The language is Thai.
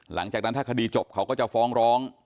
หลังจากนั้นถ้าคดีจบเขาก็จะฟ้องร้อง